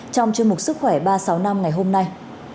trong chương mục sức khỏe ba sáu năm ngày hôm nay